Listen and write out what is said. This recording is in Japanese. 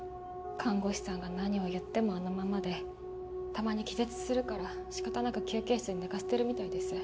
看護師さんが何を言ってもあのままでたまに気絶するから仕方なく休憩室に寝かせてるみたいです。